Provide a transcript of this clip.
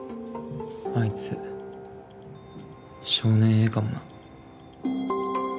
あいつ少年Ａかもな。